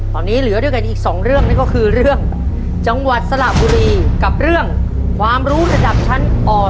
ตอนนี้เหลือด้วยกันอีก๒เรื่องนั่นก็คือเรื่องจังหวัดสระบุรีกับเรื่องความรู้ระดับชั้นอ